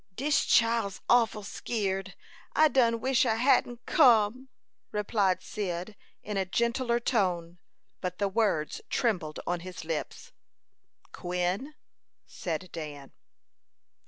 "Dis chile's awful skeered. I done wish I hadn't come," replied Cyd, in a gentler tone; but the words trembled on his lips. "Quin," said Dan.